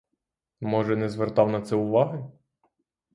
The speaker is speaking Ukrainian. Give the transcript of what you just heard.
Може, не звертав на це уваги?